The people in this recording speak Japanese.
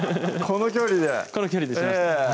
この距離でこの距離でしました？